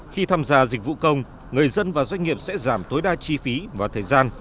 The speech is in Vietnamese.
khi tham gia dịch vụ công người dân và doanh nghiệp sẽ giảm tối đa chi phí và thời gian